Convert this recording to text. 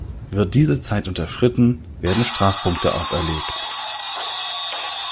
Wird diese Zeit unterschritten, werden Strafpunkte auferlegt.